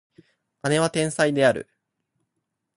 姉は天才である